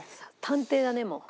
探偵だねもう。